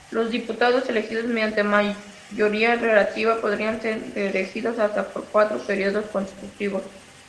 Los diputados elegidos mediante mayoría relativa podrán ser reelegidos hasta por cuatro períodos consecutivos.